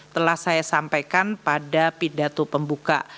telah saya sampaikan pada pidato pembuka